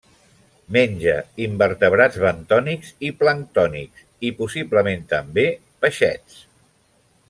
Menja invertebrats bentònics i planctònics, i, possiblement també, peixets.